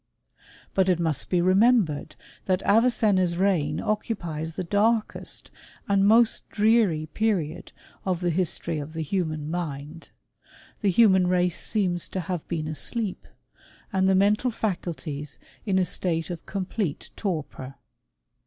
But it must be remembered, that Avicenna's reign occupies the darkest and most dreary period of the history of the human mind. The human race seems to have been asleep, and the mental faculties in a state of complete torpor.